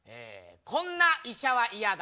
こんな医者は嫌だ。